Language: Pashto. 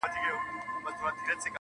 هم منلو د خبرو ته تیار دی؛